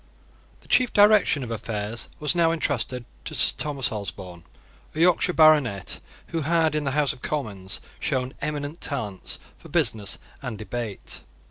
The chief direction of affairs was now intrusted to Sir Thomas Osborne, a Yorkshire baronet, who had, in the House of Commons, shown eminent talents for business and debate.